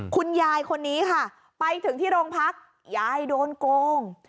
คุณยายคนนี้ค่ะไปถึงที่โรงพักยายโดนโกง